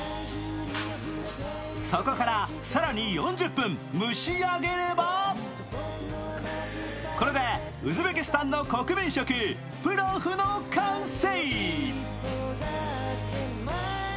そこから更に４０分蒸し上げればこれでウズベキスタンの国民食プロフの完成。